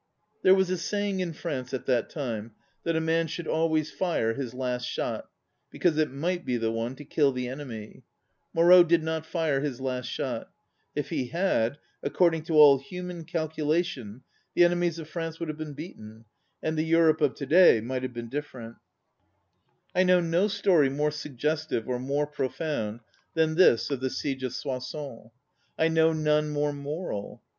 There was a saying in France at that time that a man should always fire his last shot, because it might be the one to kill the enemy. Moreau did not fire his last shot. If he had, according to all human calculation, the enemies of France would have been beaten, and the Europe of to day might have been difi^erent. I know no story more suggestive, or more profound, than this of the siege of Soissons. I know none more moral.